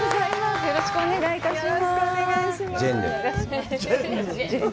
よろしくお願いします。